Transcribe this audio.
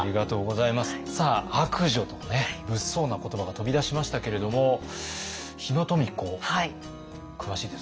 さあ「悪女」とね物騒な言葉が飛び出しましたけれども日野富子詳しいですか？